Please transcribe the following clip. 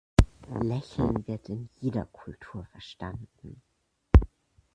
Lächeln wird in jeder Kultur verstanden.